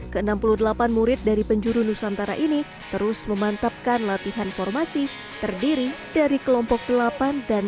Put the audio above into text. ke enam puluh delapan murid dari penjuru nusantara ini terus memantapkan latihan formasi terdiri dari kelompok delapan dan dua